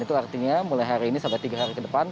itu artinya mulai hari ini sampai tiga hari ke depan